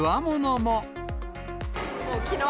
もうきのう